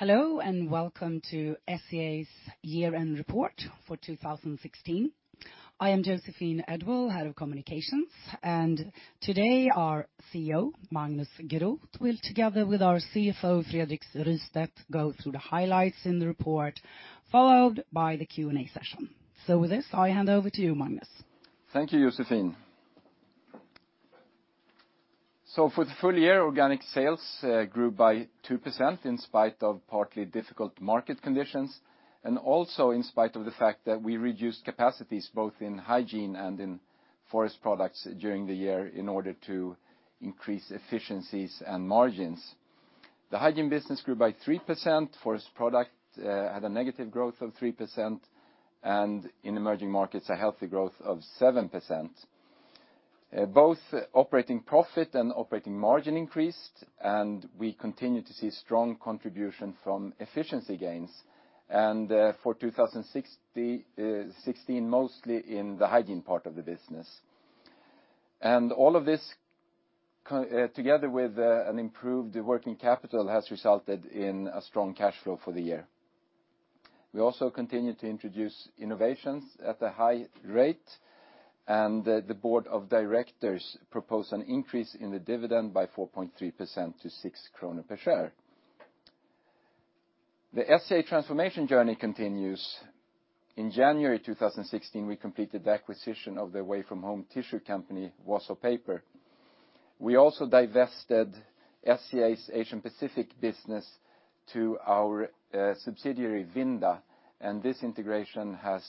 Hello, and welcome to SCA's year-end report for 2016. I am Joséphine Edwall-Björklund, head of communications, and today our CEO, Magnus Groth, will together with our CFO, Fredrik Rystedt, go through the highlights in the report, followed by the Q&A session. With this, I hand over to you, Magnus. Thank you, Joséphine. For the full year, organic sales grew by 2%, in spite of partly difficult market conditions, and also in spite of the fact that we reduced capacities both in hygiene and in Forest Products during the year in order to increase efficiencies and margins. The hygiene business grew by 3%, Forest Products had a negative growth of 3%, and in emerging markets, a healthy growth of 7%. Both operating profit and operating margin increased, and we continue to see strong contribution from efficiency gains. For 2016, mostly in the hygiene part of the business. All of this together with an improved working capital has resulted in a strong cash flow for the year. We also continue to introduce innovations at a high rate, and the board of directors propose an increase in the dividend by 4.3% to 6 krona per share. The SCA transformation journey continues. In January 2016, we completed the acquisition of the away-from-home tissue company, Wausau Paper. We also divested SCA's Asian Pacific business to our subsidiary, Vinda, and this integration has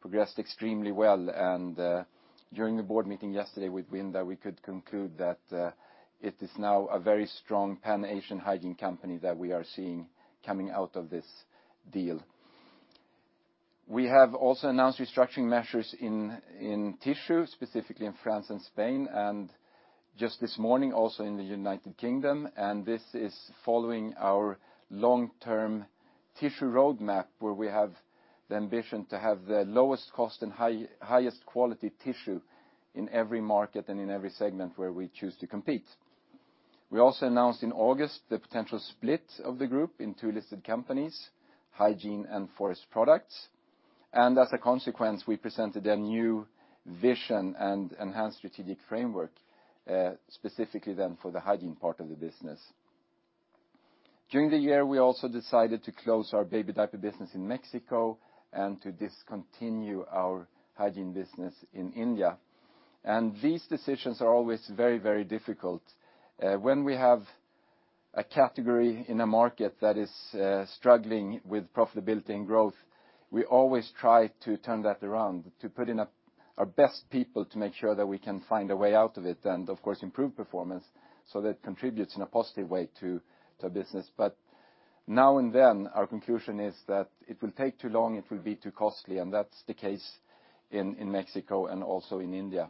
progressed extremely well. During the board meeting yesterday with Vinda, we could conclude that it is now a very strong pan-Asian hygiene company that we are seeing coming out of this deal. We have also announced restructuring measures in tissue, specifically in France and Spain, and just this morning, also in the U.K. This is following our long-term tissue roadmap, where we have the ambition to have the lowest cost and highest quality tissue in every market and in every segment where we choose to compete. We also announced in August the potential split of the group in two listed companies, Hygiene and Forest Products. As a consequence, we presented a new vision and enhanced strategic framework, specifically then for the hygiene part of the business. During the year, we also decided to close our baby diaper business in Mexico and to discontinue our hygiene business in India. These decisions are always very difficult. When we have a category in a market that is struggling with profitability and growth, we always try to turn that around, to put in our best people to make sure that we can find a way out of it, and of course, improve performance so that it contributes in a positive way to our business. Now and then, our conclusion is that it will take too long, it will be too costly, and that's the case in Mexico and also in India.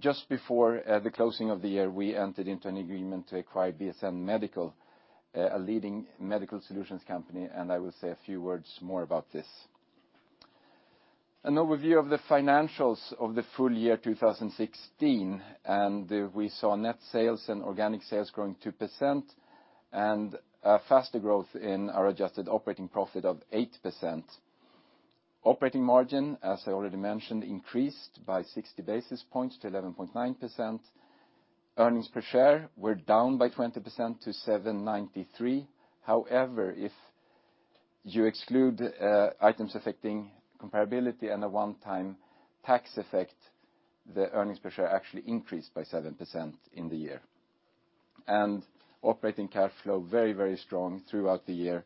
Just before the closing of the year, we entered into an agreement to acquire BSN medical, a leading medical solutions company. I will say a few words more about this. An overview of the financials of the full year 2016. We saw net sales and organic sales growing 2%, and a faster growth in our adjusted operating profit of 8%. Operating margin, as I already mentioned, increased by 60 basis points to 11.9%. Earnings per share were down by 20% to 7.93. However, if you exclude items affecting comparability and a one-time tax effect, the earnings per share actually increased by 7% in the year. Operating cash flow very strong throughout the year,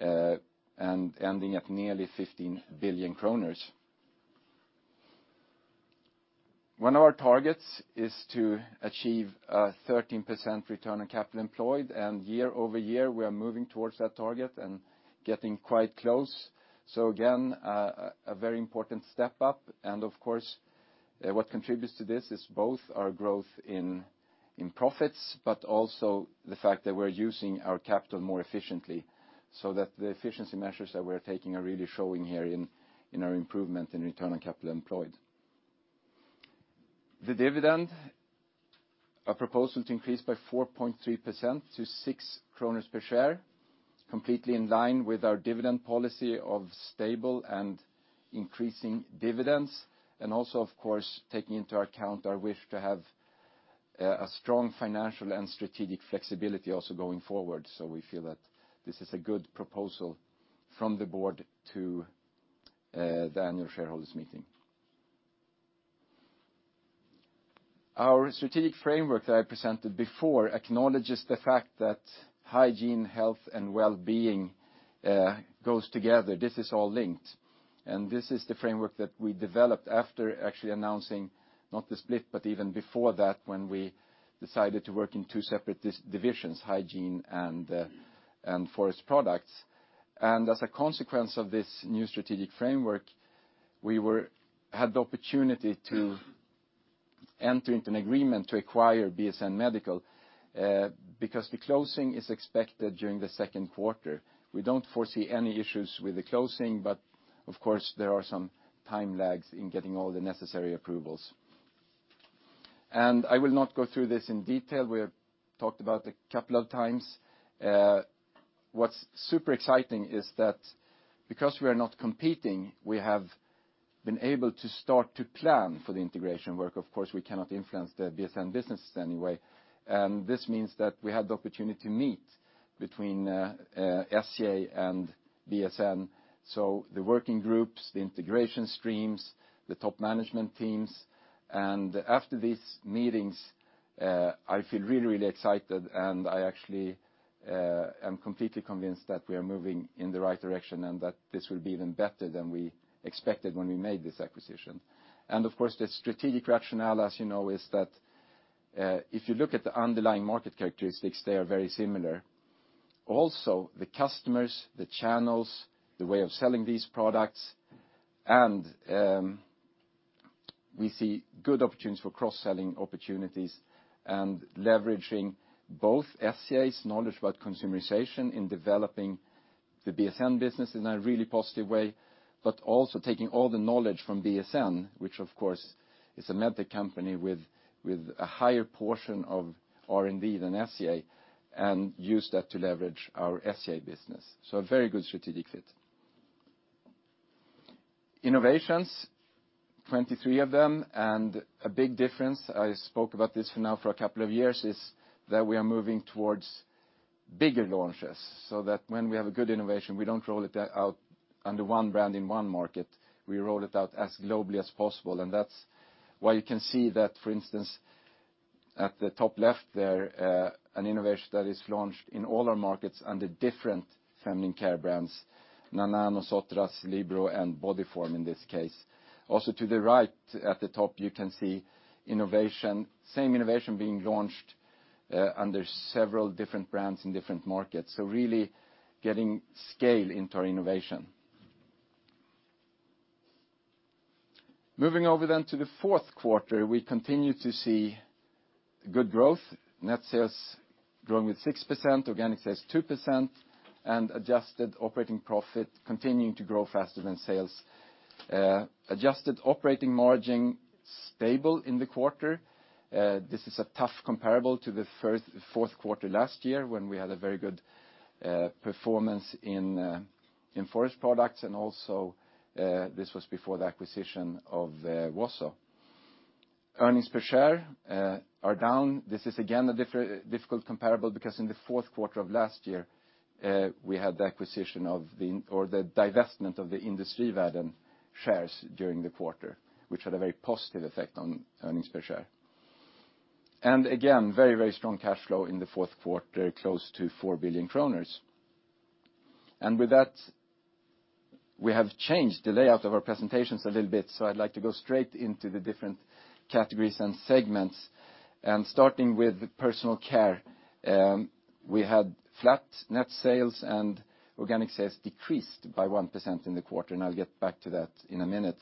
ending at nearly 15 billion SEK. One of our targets is to achieve a 13% return on capital employed, and year-over-year, we are moving towards that target and getting quite close. Again, a very important step up. Of course, what contributes to this is both our growth in profits, but also the fact that we're using our capital more efficiently, so that the efficiency measures that we're taking are really showing here in our improvement in return on capital employed. The dividend, a proposal to increase by 4.3% to 6 kronor per share, completely in line with our dividend policy of stable and increasing dividends. Also, of course, taking into account our wish to have a strong financial and strategic flexibility also going forward. We feel that this is a good proposal from the board to the annual shareholders' meeting. Our strategic framework that I presented before acknowledges the fact that hygiene, health, and wellbeing goes together. This is all linked. This is the framework that we developed after actually announcing, not the split, but even before that, when we decided to work in two separate divisions, Hygiene and Forest Products. As a consequence of this new strategic framework, we had the opportunity to enter into an agreement to acquire BSN medical, because the closing is expected during the 2nd quarter. We don't foresee any issues with the closing, but of course, there are some time lags in getting all the necessary approvals. I will not go through this in detail. We have talked about it a couple of times. What's super exciting is that because we are not competing, we have been able to start to plan for the integration work. Of course, we cannot influence the BSN business in any way, and this means that we had the opportunity to meet between SCA and BSN. The working groups, the integration streams, the top management teams. After these meetings, I feel really excited, and I actually am completely convinced that we are moving in the right direction and that this will be even better than we expected when we made this acquisition. Of course, the strategic rationale, as you know, is that if you look at the underlying market characteristics, they are very similar. The customers, the channels, the way of selling these products, and we see good opportunities for cross-selling opportunities and leveraging both SCA's knowledge about consumerization in developing the BSN business in a really positive way, but also taking all the knowledge from BSN, which of course, is a medtech company with a higher portion of R&D than SCA, and use that to leverage our SCA business. A very good strategic fit. Innovations, 23 of them, and a big difference, I spoke about this now for a couple of years, is that we are moving towards bigger launches, so that when we have a good innovation, we don't roll it out under one brand in one market. We roll it out as globally as possible, and that's why you can see that, for instance, at the top left there, an innovation that is launched in all our markets under different feminine care brands, Nana, Nosotras, Libero, and Bodyform in this case. To the right at the top, you can see the same innovation being launched under several different brands in different markets. Really getting scale into our innovation. Moving over to the fourth quarter, we continue to see good growth. Net sales growing with 6%, organic sales 2%, and adjusted operating profit continuing to grow faster than sales. Adjusted operating margin stable in the quarter. This is a tough comparable to the fourth quarter last year when we had a very good performance in forest products and also this was before the acquisition of Wausau. Earnings per share are down. This is again a difficult comparable because in the fourth quarter of last year, we had the divestment of the Industrivärden shares during the quarter, which had a very positive effect on earnings per share. Again, very strong cash flow in the fourth quarter, close to 4 billion kronor. With that, we have changed the layout of our presentations a little bit. I'd like to go straight into the different categories and segments. Starting with personal care, we had flat net sales, and organic sales decreased by 1% in the quarter, and I'll get back to that in a minute.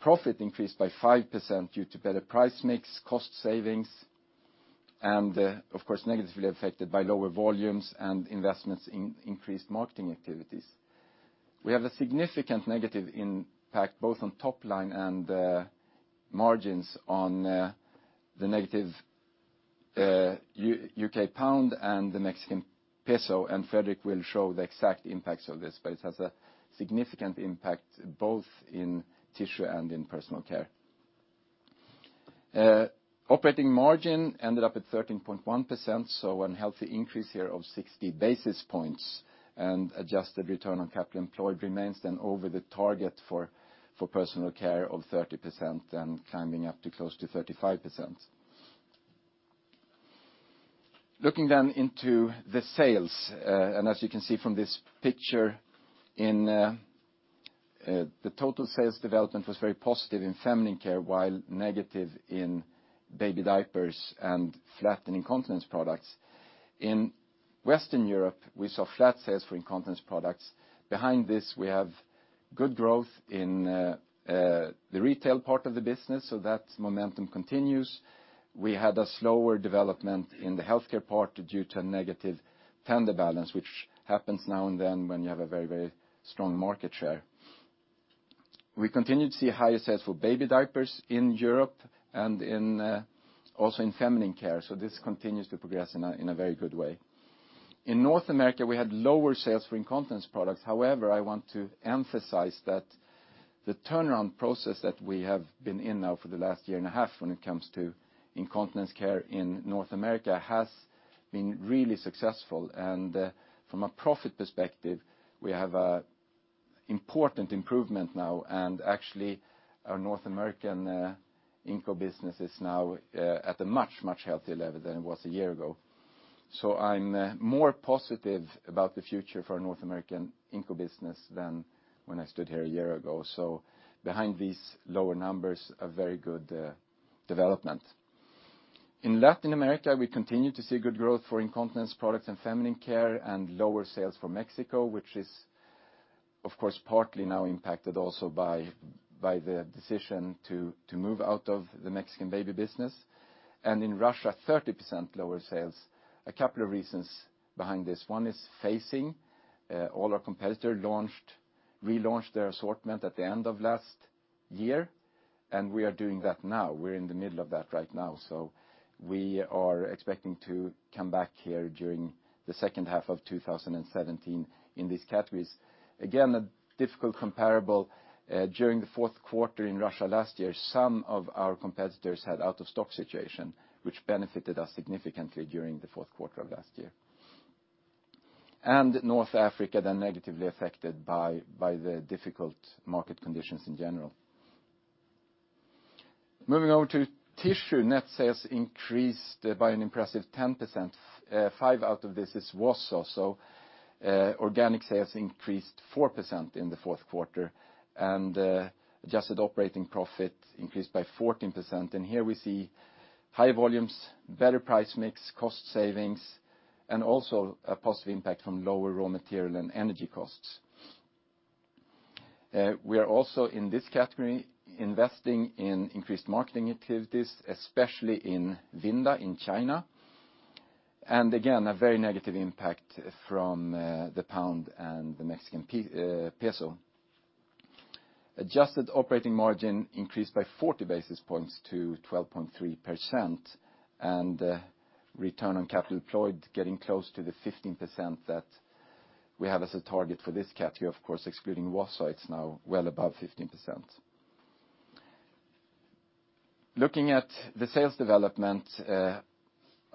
Profit increased by 5% due to better price mix, cost savings, and of course, negatively affected by lower volumes and investments in increased marketing activities. We have a significant negative impact both on top line and margins on the negative GBP and the MXN, Fredrik will show the exact impacts of this, but it has a significant impact both in tissue and in personal care. Operating margin ended up at 13.1%, a healthy increase here of 60 basis points. Adjusted return on capital employed remains over the target for personal care of 30% and climbing up to close to 35%. Looking into the sales, as you can see from this picture, the total sales development was very positive in feminine care while negative in baby diapers and flat in incontinence products. In Western Europe, we saw flat sales for incontinence products. Behind this, we have good growth in the retail part of the business, so that momentum continues. We had a slower development in the healthcare part due to negative tender balance, which happens now and then when you have a very strong market share. We continue to see higher sales for baby diapers in Europe and also in feminine care. This continues to progress in a very good way. In North America, we had lower sales for incontinence products. However, I want to emphasize that the turnaround process that we have been in now for the last year and a half when it comes to incontinence care in North America has been really successful. From a profit perspective, we have an important improvement now. Actually, our North American Inco business is now at a much healthier level than it was a year ago. I'm more positive about the future for our North American Inco business than when I stood here a year ago. Behind these lower numbers, a very good development. In Latin America, we continue to see good growth for incontinence products and feminine care and lower sales for Mexico, which is, of course, partly now impacted also by the decision to move out of the Mexican baby business. In Russia, 30% lower sales. A couple of reasons behind this. One is phasing. All our competitor relaunched their assortment at the end of last year, and we are doing that now. We're in the middle of that right now. We are expecting to come back here during the second half of 2017 in these categories. Again, a difficult comparable during the fourth quarter in Russia last year, some of our competitors had out-of-stock situation, which benefited us significantly during the fourth quarter of last year. North Africa, they're negatively affected by the difficult market conditions in general. Moving over to tissue, net sales increased by an impressive 10%, 5 out of this is Wausau. Organic sales increased 4% in the fourth quarter, and adjusted operating profit increased by 14%. Here we see high volumes, better price mix, cost savings, and also a positive impact from lower raw material and energy costs. We are also, in this category, investing in increased marketing activities, especially in Vinda, in China. Again, a very negative impact from the GBP and the MXN. Adjusted operating margin increased by 40 basis points to 12.3%, and return on capital employed getting close to the 15% that we have as a target for this category. Of course, excluding Wausau, it's now well above 15%. Looking at the sales development, a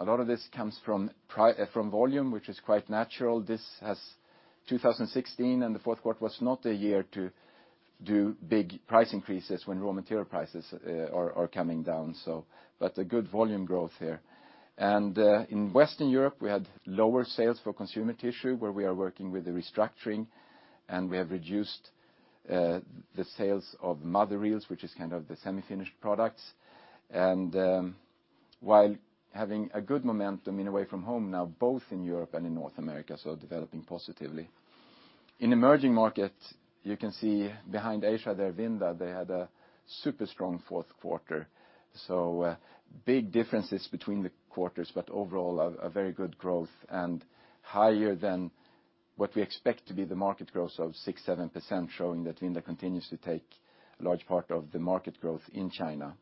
lot of this comes from volume, which is quite natural. 2016 and the fourth quarter was not a year to do big price increases when raw material prices are coming down, but a good volume growth here. In Western Europe, we had lower sales for consumer tissue, where we are working with the restructuring, and we have reduced the sales of mother reels, which is kind of the semi-finished products. While having a good momentum in away from home now both in Europe and in North America, developing positively. In emerging markets, you can see behind Asia there, Vinda, they had a super strong fourth quarter. Big differences between the quarters, but overall a very good growth and higher than what we expect to be the market growth of 6, 7%, showing that Vinda continues to take a large part of the market growth in China.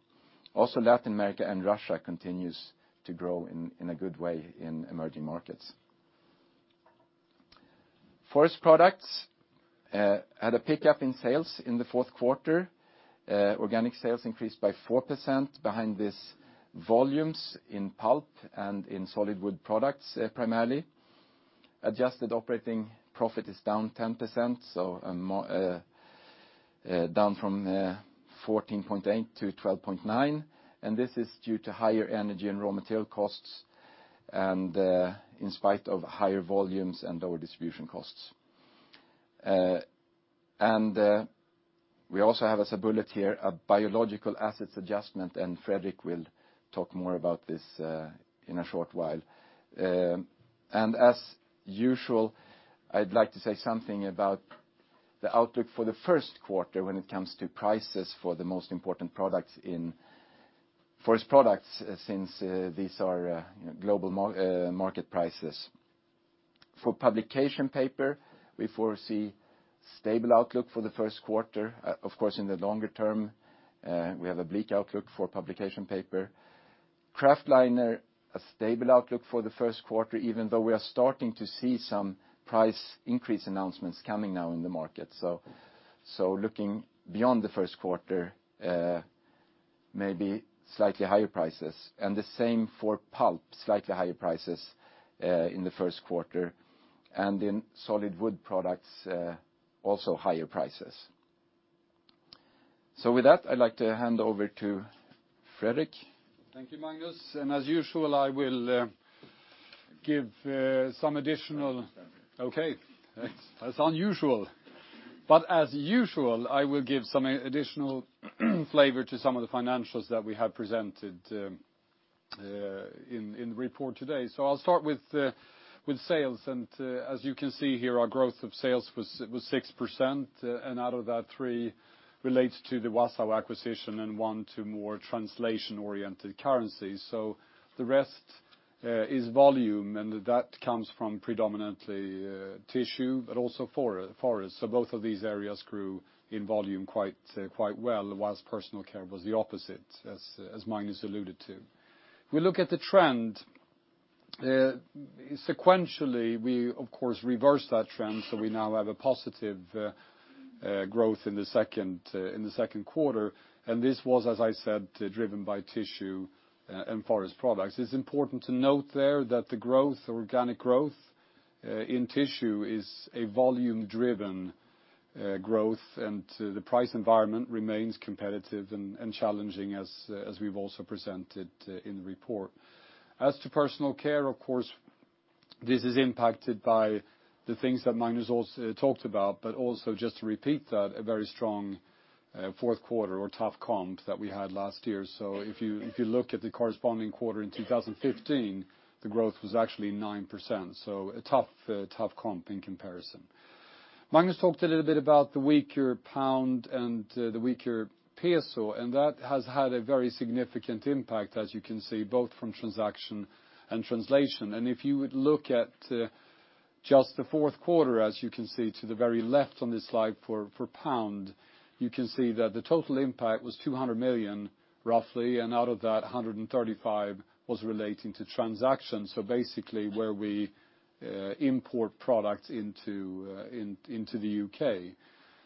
Latin America and Russia continues to grow in a good way in emerging markets. Forest Products had a pickup in sales in the fourth quarter. Organic sales increased by 4%. Behind this, volumes in pulp and in solid wood products, primarily. Adjusted operating profit is down 10%, so down from 14.8 to 12.9. This is due to higher energy and raw material costs, and in spite of higher volumes and lower distribution costs. We also have as a bullet here, a biological assets adjustment, and Fredrik will talk more about this in a short while. As usual, I'd like to say something about the outlook for the first quarter when it comes to prices for the most important products in Forest Products, since these are global market prices. For publication paper, we foresee stable outlook for the first quarter. Of course, in the longer term, we have a bleak outlook for publication paper. Kraftliner, a stable outlook for the first quarter, even though we are starting to see some price increase announcements coming now in the market. Looking beyond the first quarter, maybe slightly higher prices. The same for pulp, slightly higher prices in the first quarter. In solid wood products, also higher prices. With that, I'd like to hand over to Fredrik. Thank you, Magnus. Okay. That's unusual. As usual, I will give some additional flavor to some of the financials that we have presented in the report today. I'll start with sales. As you can see here, our growth of sales was 6%, and out of that, 3% relates to the Wausau acquisition and 1% to more translation-oriented currencies. The rest is volume, and that comes from predominantly Tissue, but also Forest. Both of these areas grew in volume quite well, whilst Personal Care was the opposite, as Magnus alluded to. If we look at the trend, sequentially, we of course reversed that trend, we now have a positive growth in the second quarter. This was, as I said, driven by Tissue and Forest Products. It's important to note there that the growth, organic growth, in Tissue is a volume-driven growth, the price environment remains competitive and challenging as we've also presented in the report. As to Personal Care, of course, this is impacted by the things that Magnus also talked about, but also just to repeat that, a very strong fourth quarter or tough comp that we had last year. If you look at the corresponding quarter in 2015, the growth was actually 9%, a tough comp in comparison. Magnus talked a little bit about the weaker UK pound and the weaker Mexican peso, that has had a very significant impact, as you can see, both from transaction and translation. If you would look at just the fourth quarter, as you can see to the very left on this slide for GBP, you can see that the total impact was 200 million roughly, and out of that, 135 million was relating to transactions, so basically where we import products into the U.K.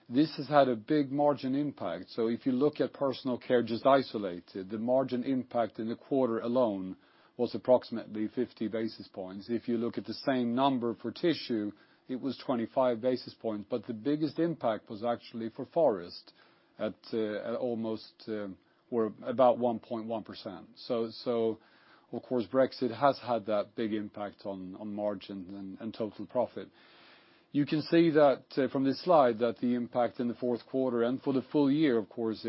This has had a big margin impact. If you look at Personal Care just isolated, the margin impact in the quarter alone was approximately 50 basis points. If you look at the same number for Tissue, it was 25 basis points. But the biggest impact was actually for Forest at about 1.1%. Of course, Brexit has had that big impact on margin and total profit. You can see that from this slide that the impact in the fourth quarter and for the full year, of course,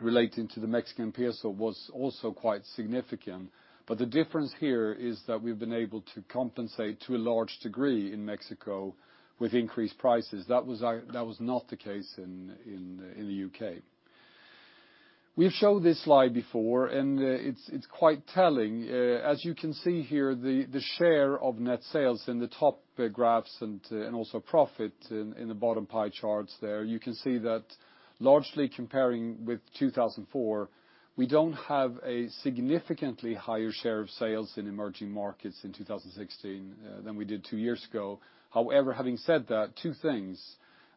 relating to the MXN was also quite significant. The difference here is that we've been able to compensate to a large degree in Mexico with increased prices. That was not the case in the U.K. We've shown this slide before, and it's quite telling. As you can see here, the share of net sales in the top graphs and also profit in the bottom pie charts there, you can see that largely comparing with 2004, we don't have a significantly higher share of sales in emerging markets in 2016 than we did two years ago. However, having said that, two things.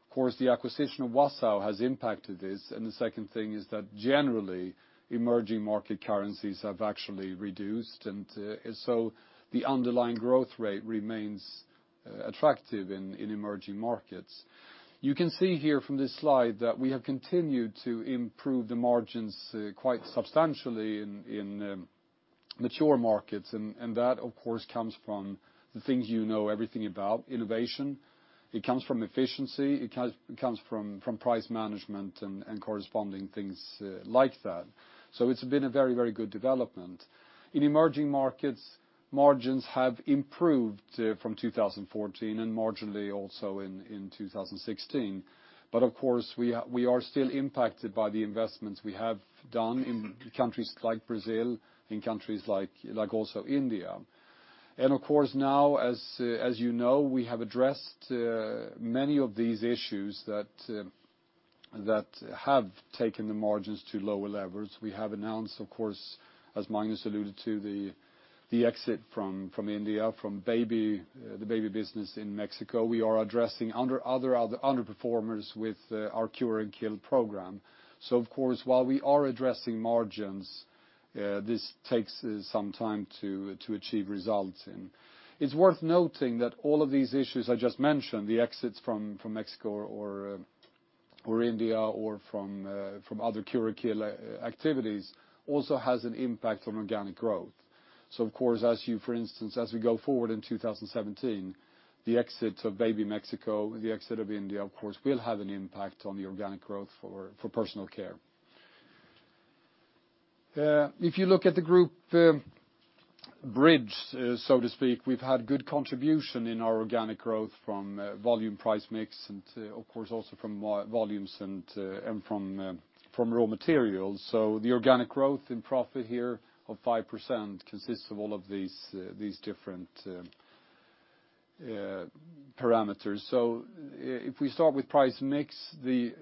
Of course, the acquisition of Wausau has impacted this, and the second thing is that generally, emerging market currencies have actually reduced, and the underlying growth rate remains attractive in emerging markets. You can see here from this slide that we have continued to improve the margins quite substantially in mature markets, and that, of course, comes from the things you know everything about, innovation. It comes from efficiency, it comes from price management and corresponding things like that. It's been a very good development. In emerging markets, margins have improved from 2014 and marginally also in 2016. But of course, we are still impacted by the investments we have done in countries like Brazil, in countries like also India. And of course, now, as you know, we have addressed many of these issues that have taken the margins to lower levels. We have announced, of course, as Magnus alluded to, the exit from India, from the baby business in Mexico. We are addressing other underperformers with our Cure or Kill program. Of course, while we are addressing margins, this takes some time to achieve results. It's worth noting that all of these issues I just mentioned, the exits from Mexico or India or from other Cure or Kill activities, also has an impact on organic growth. Of course, for instance, as we go forward in 2017, the exit of baby Mexico, the exit of India, of course, will have an impact on the organic growth for Personal Care. If you look at the group bridge, so to speak, we've had good contribution in our organic growth from volume price mix and, of course, also from volumes and from raw materials. The organic growth in profit here of 5% consists of all of these different parameters. If we start with price mix, the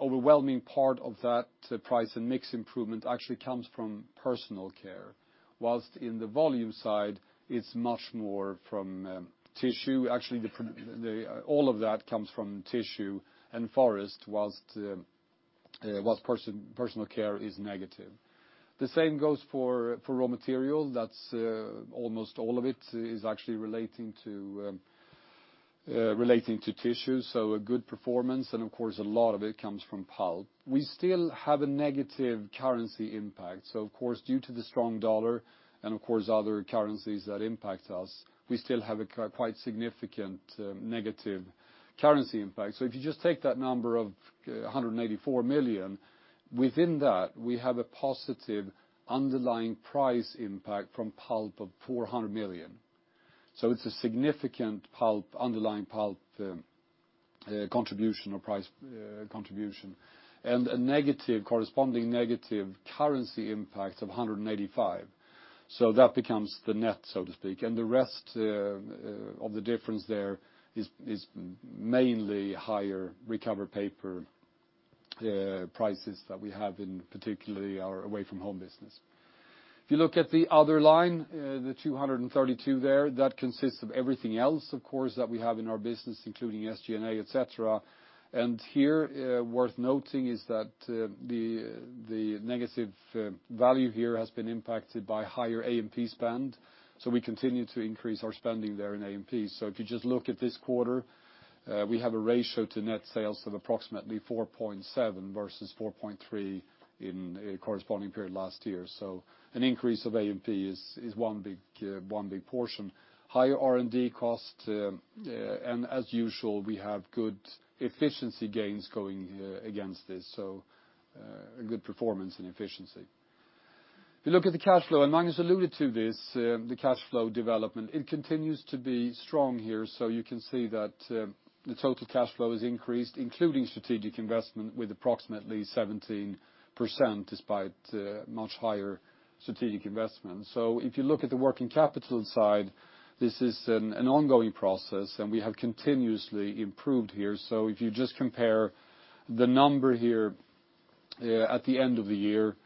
overwhelming part of that price and mix improvement actually comes from personal care, whilst in the volume side, it's much more from tissue. Actually, all of that comes from tissue and forest, whilst personal care is negative. The same goes for raw material. Almost all of it is actually relating to tissue, so a good performance, and of course, a lot of it comes from pulp. We still have a negative currency impact. Of course, due to the strong dollar and, of course, other currencies that impact us, we still have a quite significant negative currency impact. If you just take that number of 184 million, within that, we have a positive underlying price impact from pulp of 400 million. It's a significant underlying pulp contribution or price contribution and a corresponding negative currency impact of 185 million. That becomes the net, so to speak, and the rest of the difference there is mainly higher recovered paper prices that we have in particularly our away-from-home business. If you look at the other line, the 232 million there, that consists of everything else, of course, that we have in our business, including SG&A, et cetera. Here, worth noting is that the negative value here has been impacted by higher A&P spend. We continue to increase our spending there in A&P. If you just look at this quarter, we have a ratio to net sales of approximately 4.7% versus 4.3% in corresponding period last year. An increase of A&P is one big portion. Higher R&D cost, and as usual, we have good efficiency gains going against this, so a good performance in efficiency. If you look at the cash flow, and Magnus alluded to this, the cash flow development, it continues to be strong here. You can see that the total cash flow has increased, including strategic investment, with approximately 17%, despite much higher strategic investment. If you look at the working capital side, this is an ongoing process, and we have continuously improved here. If you just compare the number here at the end of the year,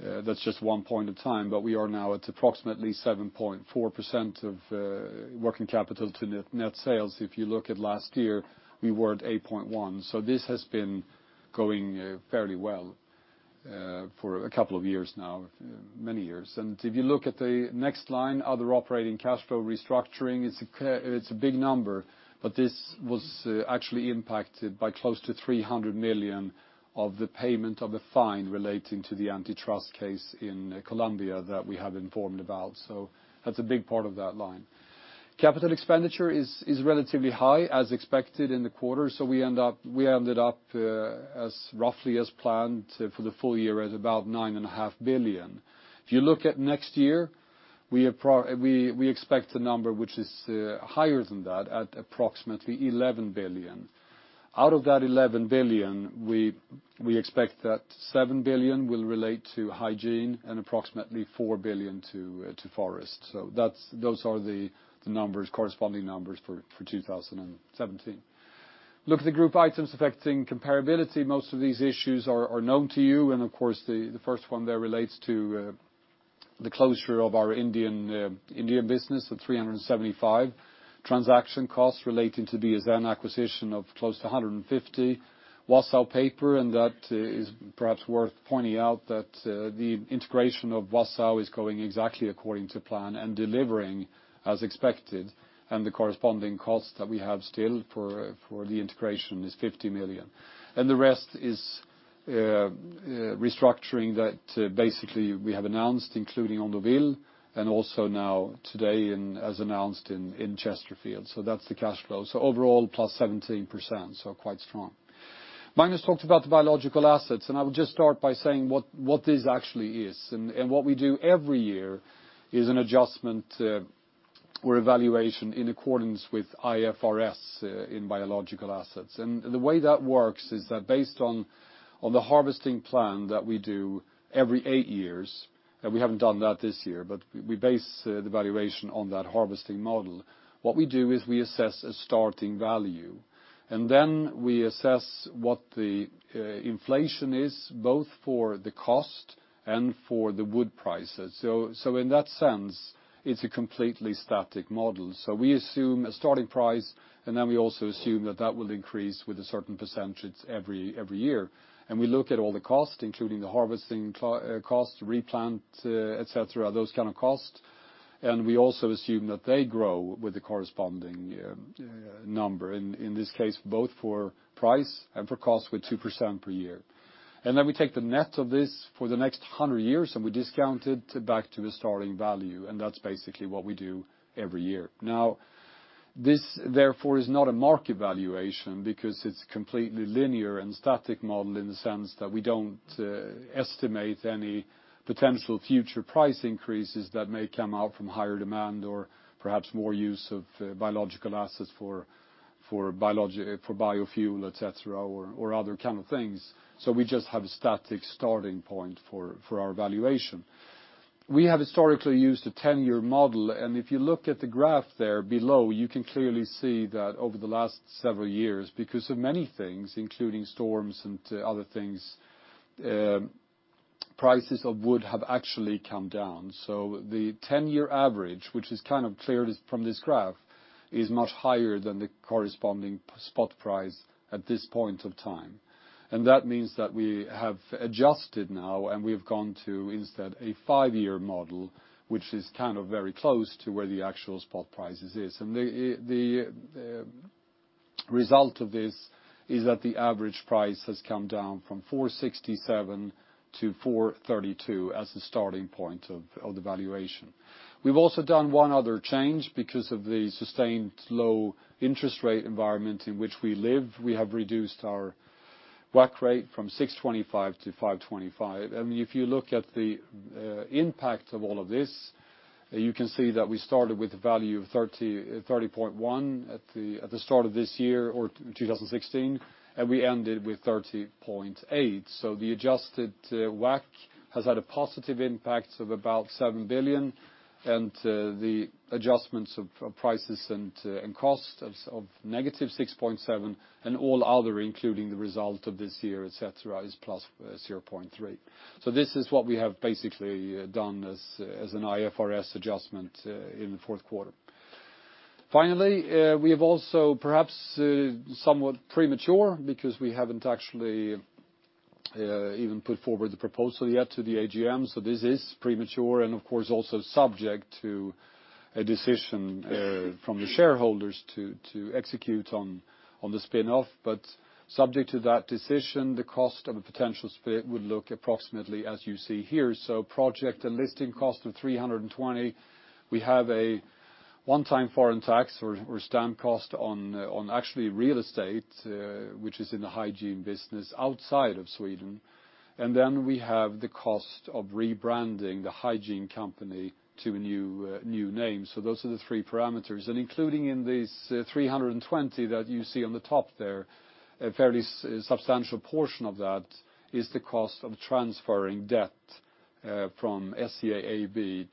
that's just one point of time, but we are now at approximately 7.4% of working capital to net sales. If you look at last year, we were at 8.1%. This has been going fairly well for a couple of years now, many years. If you look at the next line, other operating cash flow restructuring, it's a big number, but this was actually impacted by close to 300 million of the payment of a fine relating to the antitrust case in Colombia that we have informed about. That's a big part of that line. Capital expenditure is relatively high, as expected in the quarter, so we ended up as roughly as planned for the full year at about 9.5 billion. If you look at next year, we expect a number which is higher than that at approximately 11 billion. Out of that 11 billion, we expect that 7 billion will relate to hygiene and approximately 4 billion to forest. Those are the corresponding numbers for 2017. Look at the group items affecting comparability. Most of these issues are known to you, of course, the first one there relates to the closure of our Indian business at 375, transaction costs relating to the BSN acquisition of close to 150, Wausau Paper, that is perhaps worth pointing out that the integration of Wausau is going exactly according to plan and delivering as expected, the corresponding cost that we have still for the integration is 50 million. The rest is restructuring that basically we have announced, including Hondouville, also now today as announced in Chesterfield. That's the cash flow. Overall, +17%, quite strong. Magnus talked about the biological assets, I would just start by saying what this actually is. What we do every year is an adjustment or evaluation in accordance with IFRS in biological assets. The way that works is that based on the harvesting plan that we do every eight years, we haven't done that this year, but we base the valuation on that harvesting model. What we do is we assess a starting value, then we assess what the inflation is, both for the cost and for the wood prices. In that sense, it's a completely static model. We assume a starting price, then we also assume that that will increase with a certain percentage every year. We look at all the costs, including the harvesting cost, replant, et cetera, those kind of costs. We also assume that they grow with the corresponding number, in this case, both for price and for cost with 2% per year. Then we take the net of this for the next 100 years, we discount it back to the starting value, that's basically what we do every year. This, therefore, is not a market valuation, because it's completely linear and static model in the sense that we don't estimate any potential future price increases that may come out from higher demand or perhaps more use of biological assets for biofuel, et cetera, or other kind of things. We just have a static starting point for our valuation. We have historically used a 10-year model, if you look at the graph there below, you can clearly see that over the last several years, because of many things, including storms and other things, prices of wood have actually come down. The 10-year average, which is clear from this graph, is much higher than the corresponding spot price at this point of time. That means that we have adjusted now, we've gone to, instead, a five-year model, which is very close to where the actual spot prices is. The result of this is that the average price has come down from 467 to 432 as the starting point of the valuation. We've also done one other change because of the sustained low interest rate environment in which we live. We have reduced our WACC rate from 625 to 525. If you look at the impact of all of this, you can see that we started with a value of 30.1 at the start of this year, or 2016, we ended with 30.8. The adjusted WACC has had a positive impact of about 7 billion, and the adjustments of prices and cost of negative 6.7 billion, and all other, including the result of this year, etc., is plus 0.3 billion. This is what we have basically done as an IFRS adjustment in the fourth quarter. We have also, perhaps somewhat premature, because we haven't actually even put forward the proposal yet to the AGM, this is premature and, of course, also subject to a decision from the shareholders to execute on the spin-off. Subject to that decision, the cost of a potential split would look approximately as you see here. Project and listing cost of 320 million. We have a one-time foreign tax or stamp cost on actually real estate, which is in the hygiene business outside of Sweden. We have the cost of rebranding the hygiene company to a new name. Those are the three parameters. Including in these 320 million that you see on the top there, a fairly substantial portion of that is the cost of transferring debt from SCA AB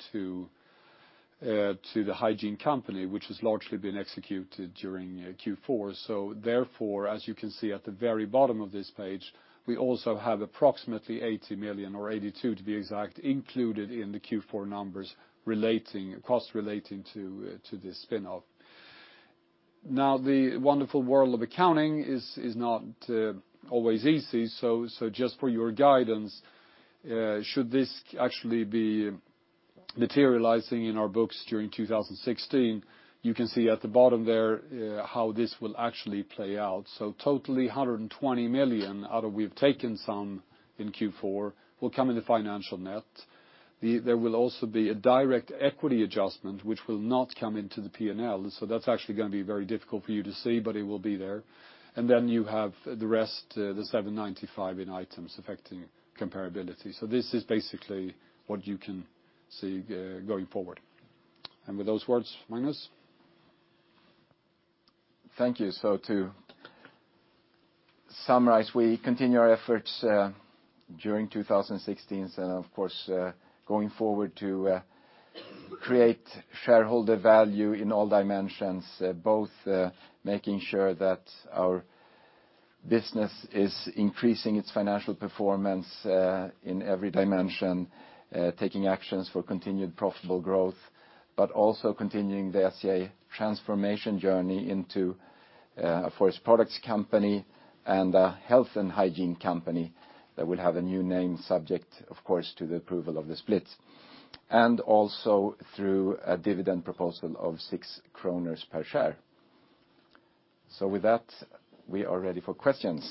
to the hygiene company, which has largely been executed during Q4. Therefore, as you can see at the very bottom of this page, we also have approximately 180 million, or 182 million to be exact, included in the Q4 numbers, costs relating to this spin-off. The wonderful world of accounting is not always easy. Just for your guidance, should this actually be materializing in our books during 2016, you can see at the bottom there how this will actually play out. Totally, 120 million out of we've taken some in Q4 will come in the financial net. There will also be a direct equity adjustment which will not come into the P&L. That's actually going to be very difficult for you to see, but it will be there. You have the rest, the 795 million in items affecting comparability. This is basically what you can see going forward. With those words, Magnus? Thank you. To summarize, we continue our efforts during 2016 and, of course, going forward to create shareholder value in all dimensions, both making sure that our business is increasing its financial performance in every dimension, taking actions for continued profitable growth, also continuing the SCA transformation journey into a forest products company and a health and hygiene company that will have a new name subject, of course, to the approval of the split. Also through a dividend proposal of 6 kronor per share. With that, we are ready for questions.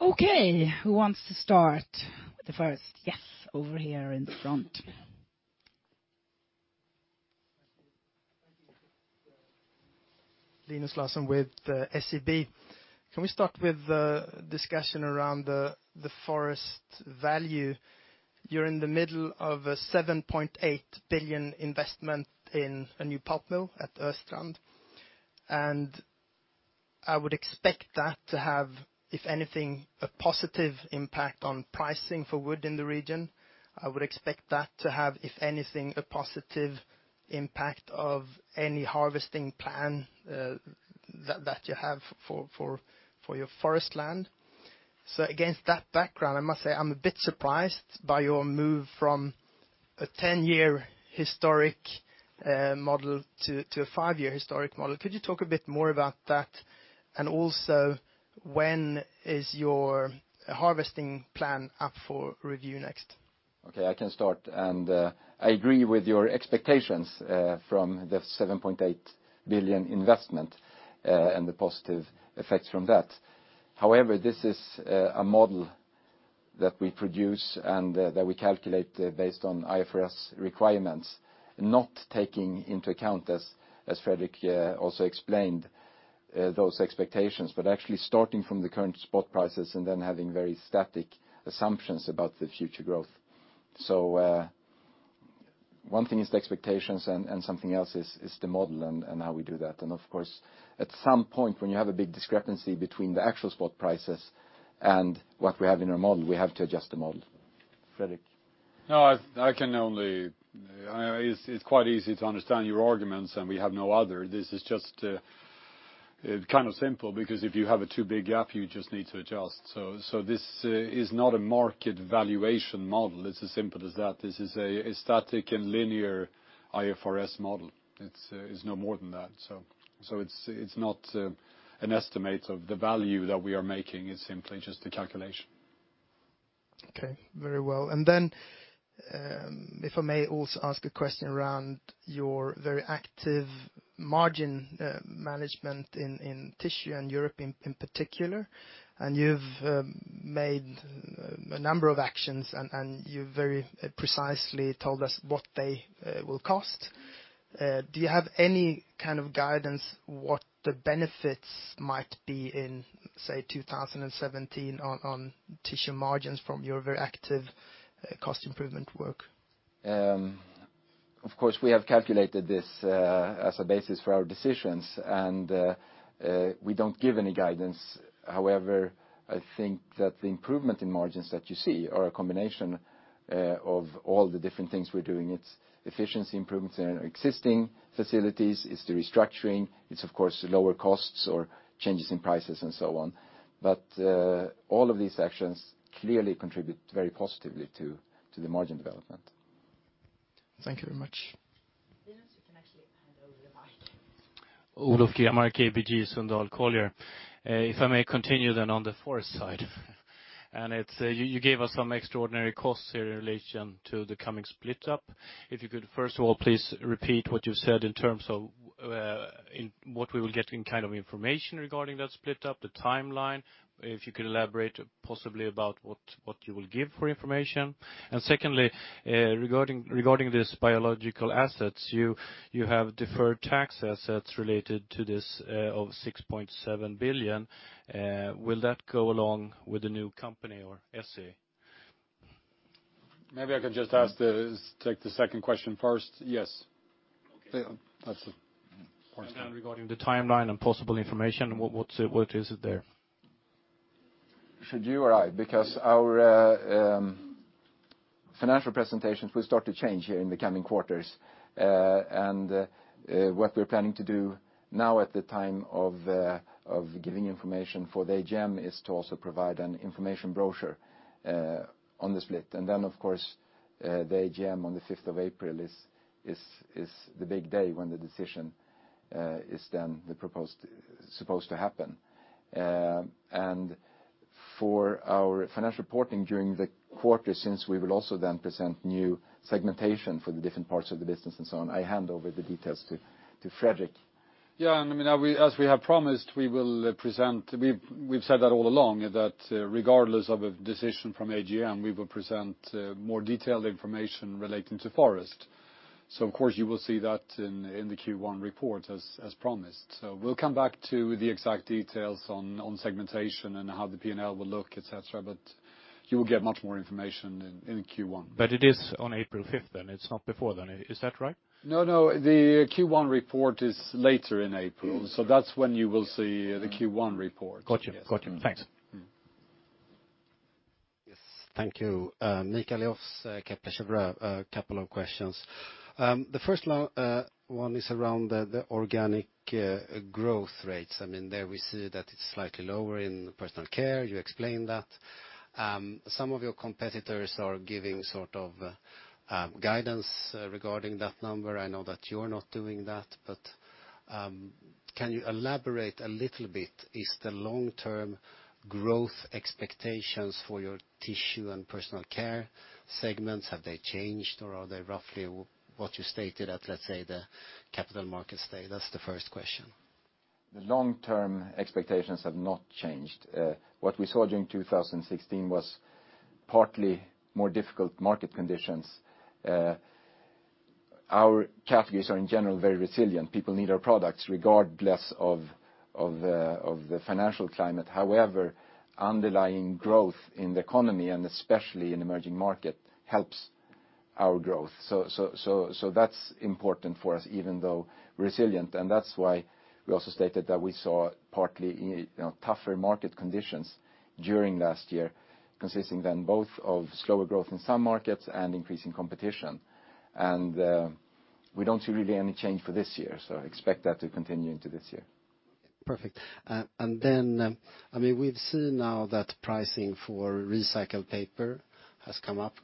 Okay, who wants to start with the first? Yes, over here in the front. Linus Larsson with SEB. Can we start with the discussion around the forest value? You're in the middle of a 7.8 billion investment in a new pulp mill at Östrand. I would expect that to have, if anything, a positive impact on pricing for wood in the region. I would expect that to have, if anything, a positive impact of any harvesting plan that you have for your forest land. Against that background, I must say I'm a bit surprised by your move from a 10-year historic model to a five-year historic model. Could you talk a bit more about that? Also, when is your harvesting plan up for review next? Okay, I can start. I agree with your expectations from the 7.8 billion investment and the positive effects from that. However, this is a model that we produce and that we calculate based on IFRS requirements, not taking into account, as Fredrik also explained, those expectations, but actually starting from the current spot prices and then having very static assumptions about the future growth. One thing is the expectations and something else is the model and how we do that. Of course, at some point when you have a big discrepancy between the actual spot prices and what we have in our model, we have to adjust the model. Fredrik? It's quite easy to understand your arguments, and we have no other. This is just kind of simple because if you have a too big gap, you just need to adjust. This is not a market valuation model. It's as simple as that. This is a static and linear IFRS model. It's no more than that. It's not an estimate of the value that we are making. It's simply just a calculation. Okay, very well. Then if I may also ask a question around your very active margin management in Tissue and Europe in particular. You've made a number of actions, and you very precisely told us what they will cost. Do you have any kind of guidance what the benefits might be in, say, 2017 on Tissue margins from your very active cost improvement work? Of course, we have calculated this as a basis for our decisions, we don't give any guidance. However, I think that the improvement in margins that you see are a combination of all the different things we're doing. It's efficiency improvements in our existing facilities, it's the restructuring, it's of course lower costs or changes in prices and so on. All of these actions clearly contribute very positively to the margin development. Thank you very much. Linus, you can actually hand over the mic. Olof Gimare, ABG Sundal Collier. If I may continue then on the forest side. You gave us some extraordinary costs here in relation to the coming split up. If you could, first of all, please repeat what you said in terms of what we will get in information regarding that split up, the timeline, if you could elaborate possibly about what you will give for information. Secondly, regarding these biological assets, you have deferred tax assets related to this of 6.7 billion. Will that go along with the new company or SCA? Maybe I can just take the second question first. Yes. Okay. That's the first one. Regarding the timeline and possible information, what is it there? Should you or I? Our financial presentations will start to change here in the coming quarters. What we're planning to do now at the time of giving information for the AGM is to also provide an information brochure on the split. Then, of course, the AGM on the 5th of April is the big day when the decision is then supposed to happen. For our financial reporting during the quarter, since we will also then present new segmentation for the different parts of the business and so on, I hand over the details to Fredrik. As we have promised, we've said that all along, that regardless of a decision from AGM, we will present more detailed information relating to Forest. Of course, you will see that in the Q1 report, as promised. We'll come back to the exact details on segmentation and how the P&L will look, et cetera, you will get much more information in Q1. It is on April 5th then, it's not before then. Is that right? No, the Q1 report is later in April. That's when you will see the Q1 report. Got you. Thanks. Yes. Thank you. Mika Liows,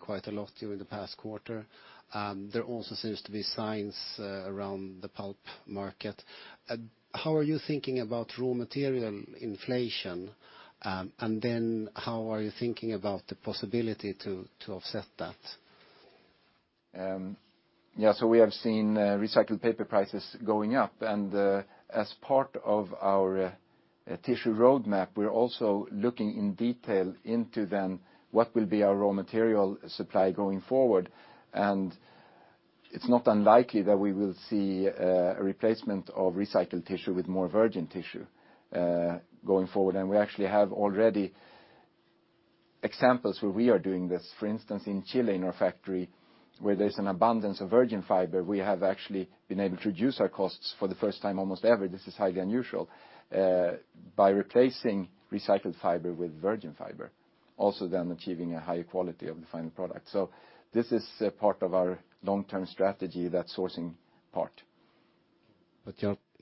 you're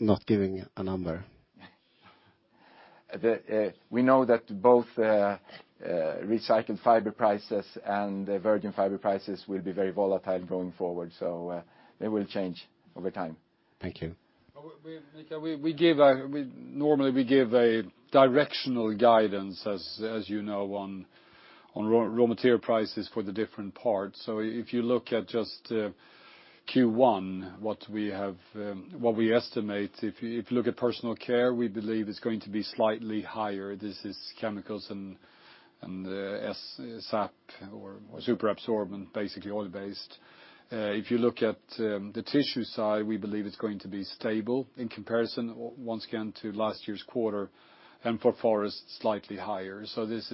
not giving a number. We know that both recycled fiber prices and virgin fiber prices will be very volatile going forward. They will change over time. Thank you. Mika, normally we give a directional guidance, as you know, on raw material prices for the different parts. If you look at just Q1, what we estimate, if you look at Personal Care, we believe it's going to be slightly higher. This is chemicals and SAP or super absorbent, basically oil-based. If you look at the Tissue side, we believe it's going to be stable in comparison, once again, to last year's quarter, and for Forest, slightly higher. This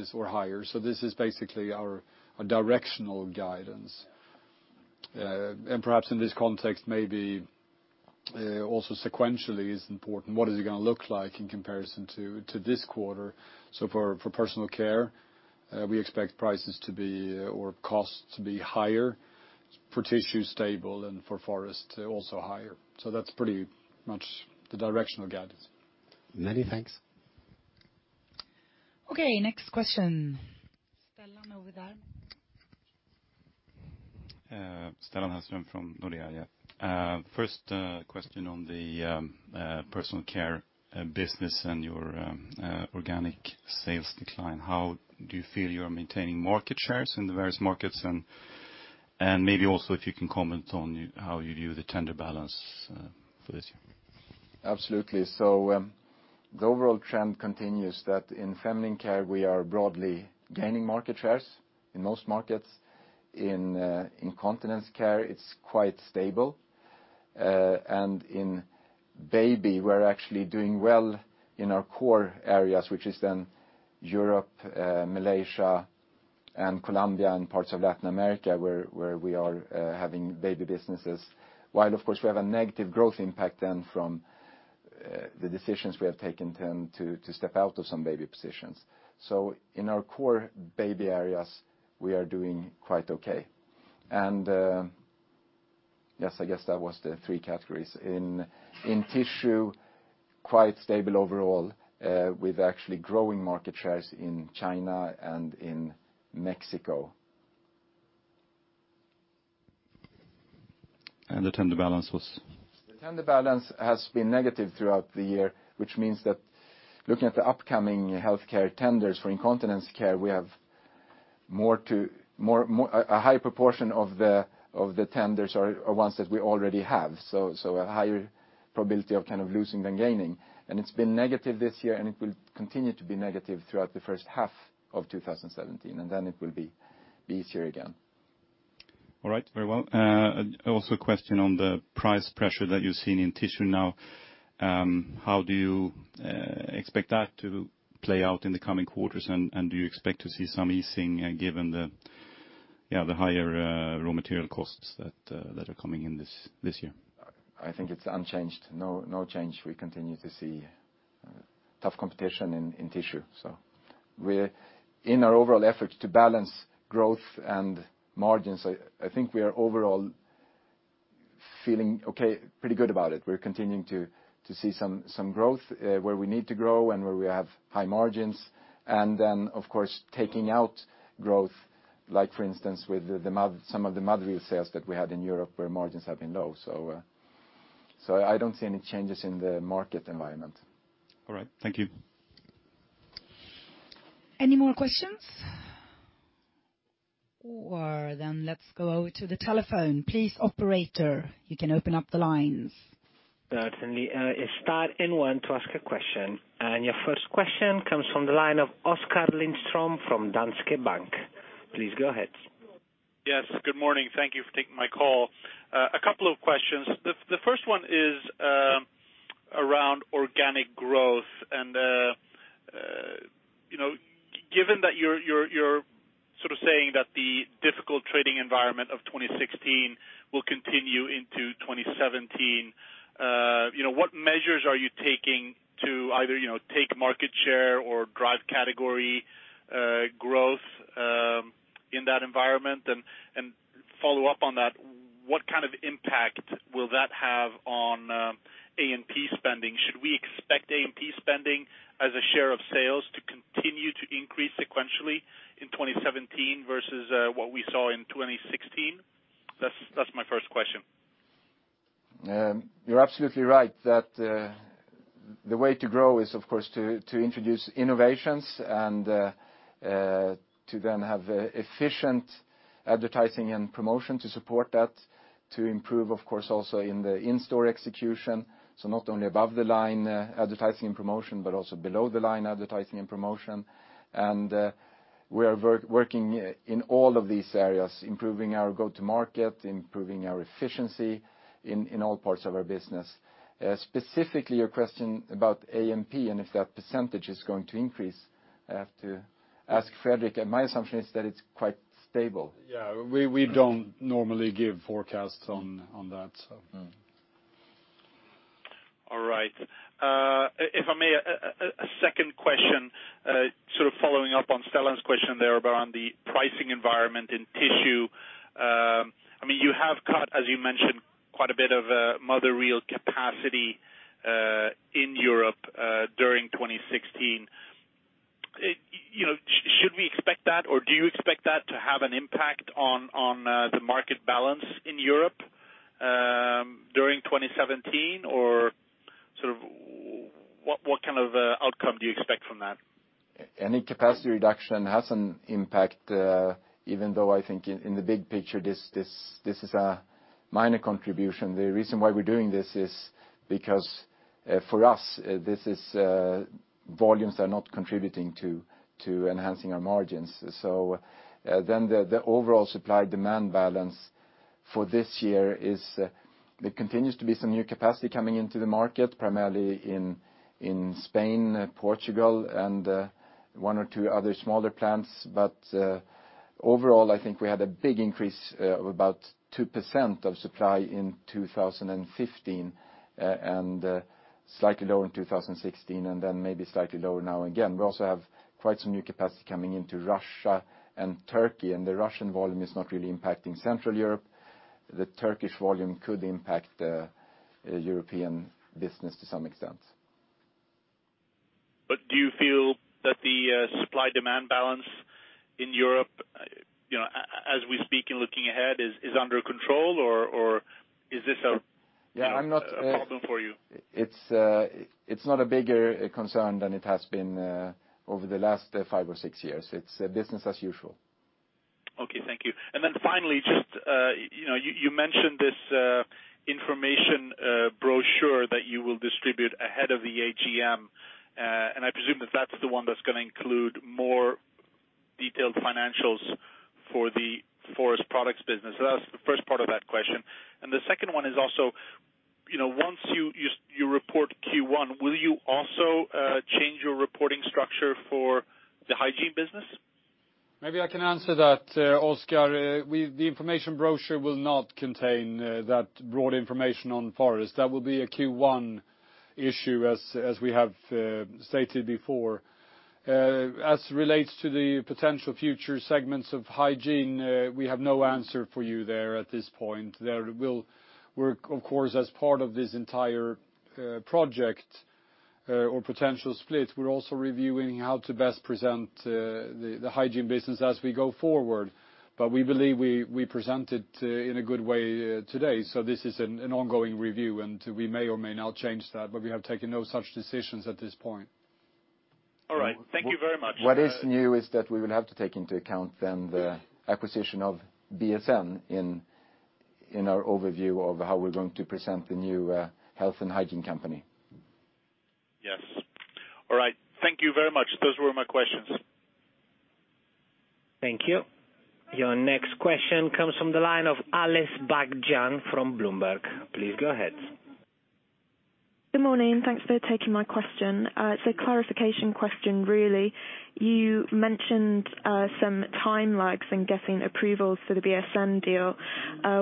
is basically our directional guidance. Perhaps in this context, maybe also sequentially is important. What is it going to look like in comparison to this quarter? For Personal Care, we expect prices or cost to be higher, for Tissue stable, and for Forest, also higher. That's pretty much the directional guidance. Many thanks. Okay, next question. Stellan, over there. Stellan Hellström from Nordea. First question on the personal care business and your organic sales decline. How do you feel you are maintaining market shares in the various markets? Maybe also if you can comment on how you view the tender balance for this year. Absolutely. The overall trend continues that in feminine care, we are broadly gaining market shares in most markets. In incontinence care, it's quite stable. In baby, we're actually doing well in our core areas, which is then Europe, Malaysia and Colombia and parts of Latin America where we are having baby businesses. While of course we have a negative growth impact then from the decisions we have taken then to step out of some baby positions. In our core baby areas, we are doing quite okay. Yes, I guess that was the three categories. In tissue, quite stable overall, with actually growing market shares in China and in Mexico. The tender balance was? The tender balance has been negative throughout the year, which means that looking at the upcoming healthcare tenders for incontinence care, we have a high proportion of the tenders are ones that we already have. A higher probability of kind of losing than gaining. It's been negative this year, and it will continue to be negative throughout the first half of 2017, then it will be easier again. All right. Very well. Also a question on the price pressure that you're seeing in tissue now. How do you expect that to play out in the coming quarters? Do you expect to see some easing given the higher raw material costs that are coming in this year? I think it's unchanged. No change. We continue to see tough competition in tissue. In our overall efforts to balance growth and margins, I think we are overall feeling okay, pretty good about it. We're continuing to see some growth where we need to grow and where we have high margins. Then of course, taking out growth like for instance, with some of the mother reel sales that we had in Europe where margins have been low. I don't see any changes in the market environment. All right. Thank you. Any more questions? Then let's go to the telephone. Please, operator, you can open up the lines. Certainly. It's star 1 to ask a question. Your first question comes from the line of Oskar Lindström from Danske Bank. Please go ahead. Yes, good morning. Thank you for taking my call. A couple of questions. The first one is around organic growth, and given that you're sort of saying that the difficult trading environment of 2016 will continue into 2017, what measures are you taking to either take market share or drive category growth in that environment? Follow up on that, what kind of impact will that have on A&P spending? Should we expect A&P spending as a share of sales to continue to increase sequentially in 2017 versus what we saw in 2016? That's my first question. You're absolutely right that the way to grow is, of course, to introduce innovations and to then have efficient advertising and promotion to support that, to improve, of course, also in the in-store execution. Not only above the line advertising and promotion, but also below the line advertising and promotion. We are working in all of these areas, improving our go-to market, improving our efficiency in all parts of our business. Specifically, your question about A&P and if that percentage is going to increase, I have to ask Fredrik, and my assumption is that it's quite stable. Yeah. We don't normally give forecasts on that so. All right. If I may, a second question sort of following up on Stellan's question there around the pricing environment in tissue. You have cut, as you mentioned, quite a bit of mother reel capacity in Europe during 2016. Should we expect that, or do you expect that to have an impact on the market balance in Europe during 2017? Sort of what kind of outcome do you expect from that? Any capacity reduction has an impact, even though I think in the big picture, this is a minor contribution. The reason why we're doing this is because for us, volumes are not contributing to enhancing our margins. The overall supply-demand balance for this year is there continues to be some new capacity coming into the market, primarily in Spain, Portugal, and one or two other smaller plants. But overall, I think we had a big increase of about 2% of supply in 2015, and slightly lower in 2016, and then maybe slightly lower now again. We also have quite some new capacity coming into Russia and Turkey, the Russian volume is not really impacting Central Europe. The Turkish volume could impact the European business to some extent. Do you feel that the supply-demand balance in Europe, as we speak and looking ahead, is under control? Is this a problem for you? It's not a bigger concern than it has been over the last five or six years. It's business as usual. Okay, thank you. Then finally, just you mentioned this information brochure that you will distribute ahead of the AGM. I presume that's the one that's going to include more detailed financials for the forest products business. That's the first part of that question. The second one is also, once you report Q1, will you also change your reporting structure for the hygiene business? Maybe I can answer that, Oskar. The information brochure will not contain that broad information on forest. That will be a Q1 issue, as we have stated before. As it relates to the potential future segments of hygiene, we have no answer for you there at this point. Of course, as part of this entire project or potential split, we're also reviewing how to best present the hygiene business as we go forward. We believe we presented in a good way today. This is an ongoing review. We may or may not change that. We have taken no such decisions at this point. All right. Thank you very much. What is new is that we will have to take into account then the acquisition of BSN in our overview of how we are going to present the new health and hygiene company. Yes. All right. Thank you very much. Those were my questions. Thank you. Your next question comes from the line of Alice Baghdjian from Bloomberg. Please go ahead. Good morning. Thanks for taking my question. It is a clarification question, really. You mentioned some timelines in getting approvals for the BSN deal.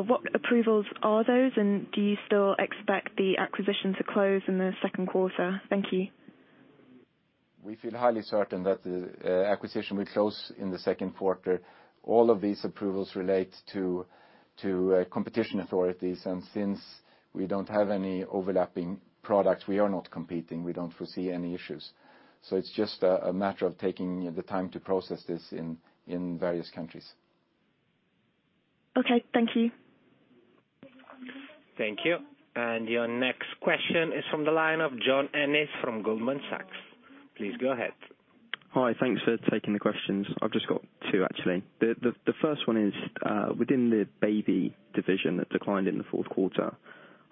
What approvals are those, and do you still expect the acquisition to close in the second quarter? Thank you. We feel highly certain that the acquisition will close in the second quarter. All of these approvals relate to competition authorities, and since we don't have any overlapping products, we are not competing. We don't foresee any issues. It's just a matter of taking the time to process this in various countries. Okay, thank you. Thank you. Your next question is from the line of John Ennis from Goldman Sachs. Please go ahead. Hi. Thanks for taking the questions. I've just got two, actually. The first one is, within the baby division that declined in the fourth quarter,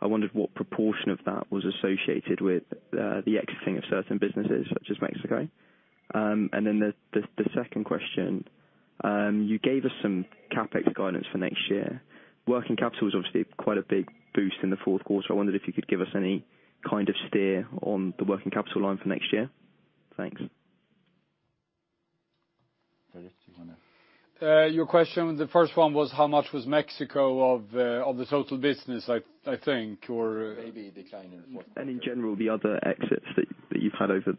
I wondered what proportion of that was associated with the exiting of certain businesses, such as Mexico. The second question, you gave us some CapEx guidance for next year. Working capital is obviously quite a big boost in the fourth quarter. I wondered if you could give us any kind of steer on the working capital line for next year. Thanks. Your question, the first one was how much was Mexico of the total business, I think? Baby decline in fourth quarter. In general, the other exits that you've had over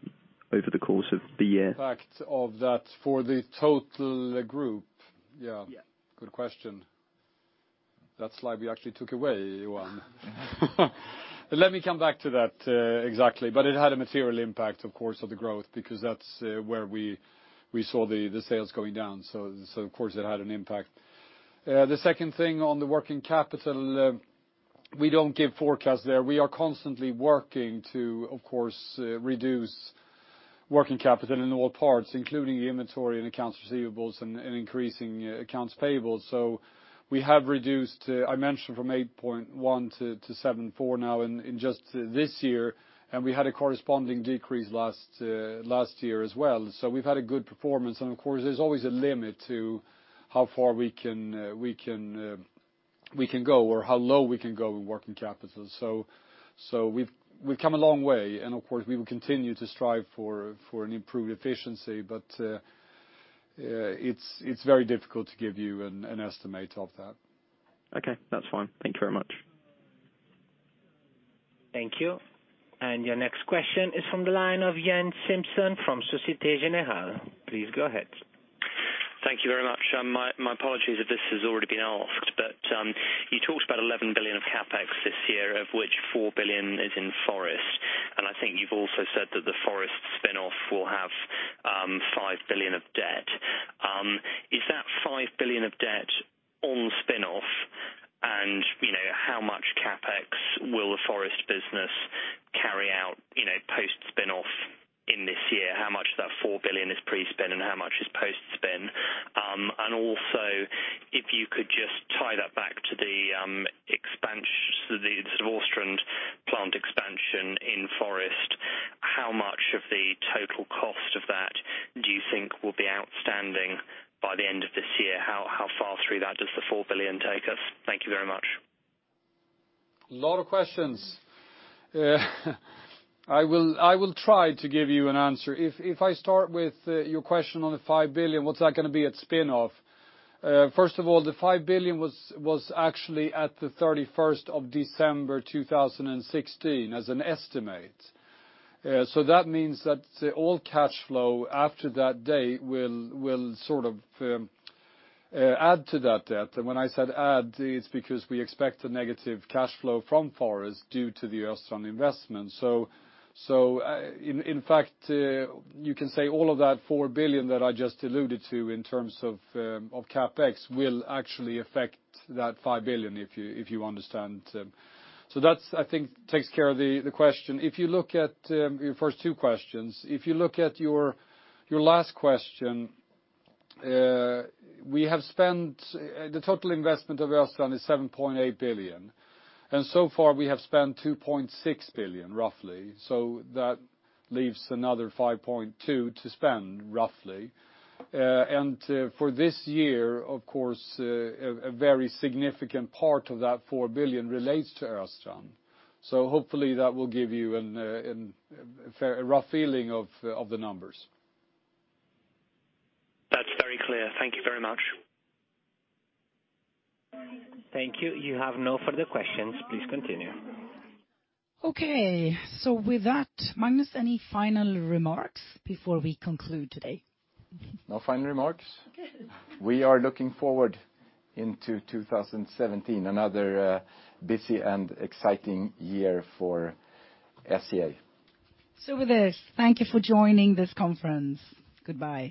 the course of the year. Impact of that for the total group. Yeah. Yeah. Good question. That slide we actually took away, John. Let me come back to that exactly. It had a material impact, of course, of the growth because that's where we saw the sales going down. Of course, it had an impact. The second thing on the working capital, we don't give forecasts there. We are constantly working to, of course, reduce working capital in all parts, including the inventory and accounts receivables and increasing accounts payable. We have reduced, I mentioned from 8.1 to 7.4 now in just this year, and we had a corresponding decrease last year as well. We've had a good performance, and of course, there's always a limit to how far we can go or how low we can go in working capital. We've come a long way, and of course, we will continue to strive for an improved efficiency, but it's very difficult to give you an estimate of that. Okay, that's fine. Thank you very much. Thank you. Your next question is from the line of Jen Simpson from Societe Generale. Please go ahead. Thank you very much. My apologies if this has already been asked, you talked about 11 billion of CapEx this year, of which 4 billion is in forest, and I think you've also said that the forest spin-off will have 5 billion of debt. Is that 5 billion of debt on spin-off, how much CapEx will the forest business carry out post-spin-off in this year? How much of that 4 billion is pre-spin and how much is post-spin? Also, if you could just tie that back to the Östrand plant expansion in forest, how much of the total cost of that do you think will be outstanding by the end of this year? How far through that does the 4 billion take us? Thank you very much. A lot of questions. I will try to give you an answer. If I start with your question on the 5 billion, what's that going to be at spin-off? First of all, the 5 billion was actually at the 31st of December 2016 as an estimate. That means that all cash flow after that date will sort of add to that debt. When I said add, it's because we expect a negative cash flow from forest due to the Östrand investment. In fact, you can say all of that 4 billion that I just alluded to in terms of CapEx will actually affect that 5 billion if you understand. That, I think, takes care of the question. If you look at your first two questions, if you look at your last question, the total investment of Östrand is 7.8 billion, and so far we have spent 2.6 billion, roughly. That leaves another 5.2 billion to spend, roughly. For this year, of course, a very significant part of that 4 billion relates to Östrand. Hopefully, that will give you a rough feeling of the numbers. That's very clear. Thank you very much. Thank you. You have no further questions. Please continue. Okay. With that, Magnus, any final remarks before we conclude today? No final remarks. Okay. We are looking forward into 2017, another busy and exciting year for SCA. With this, thank you for joining this conference. Goodbye